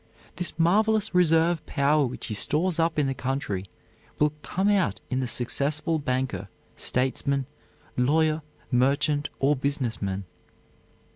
This marvelous reserve power which he stores up in the country will come out in the successful banker, statesman, lawyer, merchant, or business man.